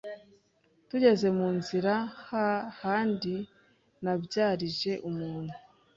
tugeze mu nzira hahandi nabyarije umuntu